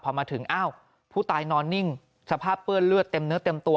พอมาถึงอ้าวผู้ตายนอนนิ่งสภาพเปื้อนเลือดเต็มเนื้อเต็มตัว